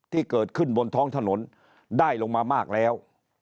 ที่เกิดขึ้นบนท้องถนนได้ลงมามากแล้ว